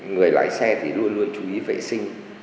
người lái xe thì luôn luôn chú ý vệ sinh